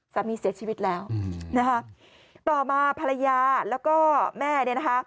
สามีเสียชีวิตแล้วต่อมาภรรยาแล้วก็แม่